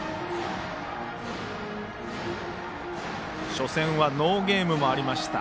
初戦はノーゲームもありました。